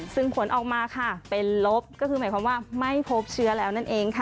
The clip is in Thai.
ซึ่งผลออกมาค่ะเป็นลบก็คือหมายความว่าไม่พบเชื้อแล้วนั่นเองค่ะ